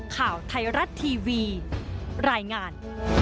ข่าวไทยรัฐทีวีรายงาน